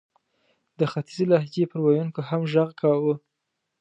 د ختیځې لهجې پر ویونکو هم ږغ کاوه.